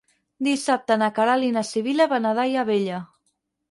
Dissabte na Queralt i na Sibil·la van a Daia Vella.